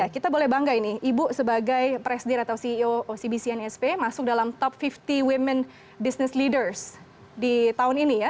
kita boleh bangga ini ibu sebagai presidir atau ceo ocbc nsp masuk dalam top lima puluh women business leaders di tahun ini ya